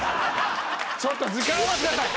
ちょっと時間は下さい。